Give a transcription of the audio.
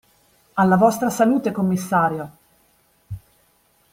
Alla vostra salute, commissario!